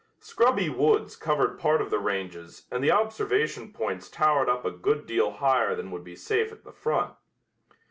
Scrubby woods covered part of the ranges and the observation points towered up a good deal higher than would be safe at the front.